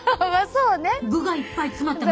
そうね。